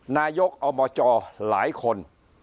นายกอบจหลายคน